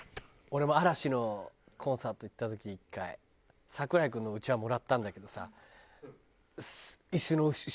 俺も嵐のコンサート行った時１回櫻井君のうちわもらったんだけどさ。